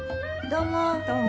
どうも。